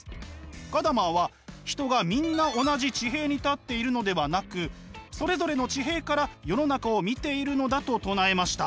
ガダマーは人がみんな同じ地平に立っているのではなくそれぞれの地平から世の中を見ているのだと唱えました。